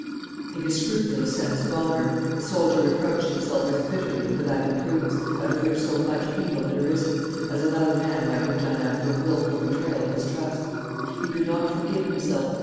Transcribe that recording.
In his scrupulous sense of honour, the soldier reproached himself as bitterly for that imprudence, out of which so much evil had arisen, as another man might have done after a wilful betrayal of his trust. He could not forgive himself.